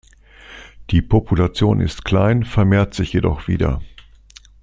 Die Population ist klein, vermehrt sich jedoch wieder.